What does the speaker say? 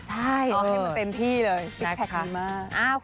ใช่เออเห็นมาเต็มที่เลยซิกแพคดีมาก